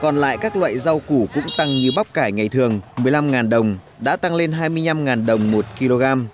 còn lại các loại rau củ cũng tăng như bắp cải ngày thường một mươi năm đồng đã tăng lên hai mươi năm đồng một kg